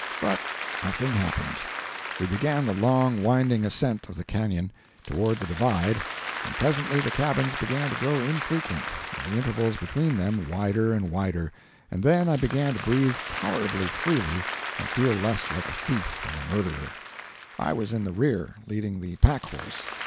But nothing happened. We began the long winding ascent of the canyon, toward the "divide," and presently the cabins began to grow infrequent, and the intervals between them wider and wider, and then I began to breathe tolerably freely and feel less like a thief and a murderer. I was in the rear, leading the pack horse.